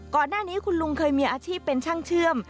ก่อนหน้านี้คุณลุงเคยมีอาชีพเป็นช่างเชื่อม